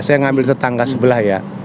saya ngambil tetangga sebelah ya